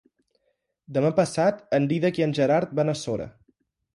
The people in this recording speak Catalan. Demà passat en Dídac i en Gerard van a Sora.